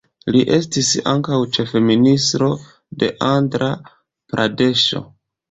Li estis ankaŭ ĉefministro de Andra-Pradeŝo.